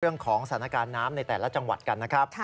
เรื่องของสถานการณ์น้ำในแต่ละจังหวัดกันนะครับ